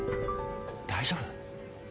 大丈夫？